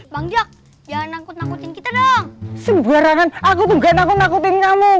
bangjak jangan nangkut nangkutin kita dong sebarangan aku nggak nangkut nangkutin kamu